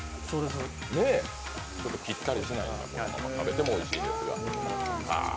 切ったりしないんですね、食べてもおいしいですが。